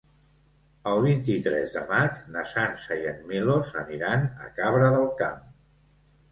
El vint-i-tres de maig na Sança i en Milos aniran a Cabra del Camp.